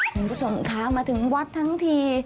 คุณผู้ชมคะมาถึงวัดทั้งที